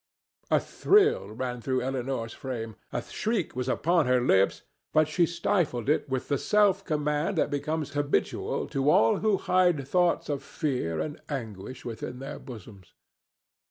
A thrill ran through Elinor's frame; a shriek was upon her lips, but she stifled it with the self command that becomes habitual to all who hide thoughts of fear and anguish within their bosoms.